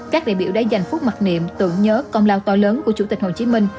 các đại biểu đã dành phút mặc niệm tưởng nhớ công lao to lớn của chủ tịch hồ chí minh